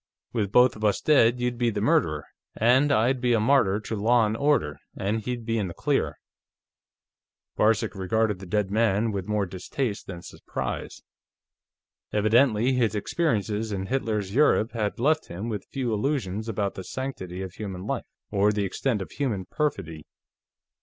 "With both of us dead, you'd be the murderer, and I'd be a martyr to law and order, and he'd be in the clear." Varcek regarded the dead man with more distaste than surprise. Evidently his experiences in Hitler's Europe had left him with few illusions about the sanctity of human life or the extent of human perfidy.